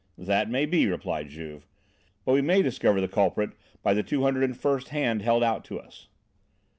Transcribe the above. "That may be," replied Juve, "but we may discover the culprit by the two hundred and first hand held out to us."